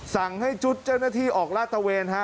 สั่งให้ชุดเจ้าหน้าที่ออกลาดตะเวนฮะ